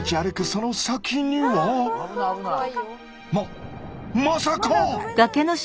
その先にはままさか。